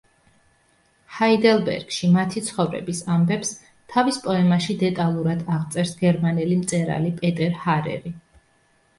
ჰაიდელბერგში მათი ცხოვრების ამბებს, თავის პოემაში დეტალურად აღწერს გერმანელი მწერალი პეტერ ჰარერი.